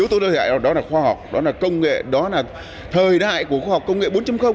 yếu tố thời đại đó là khoa học đó là công nghệ đó là thời đại của khoa học công nghệ bốn